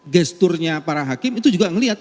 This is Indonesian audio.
gesturnya para hakim itu juga melihat